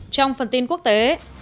trong phần tin quốc tế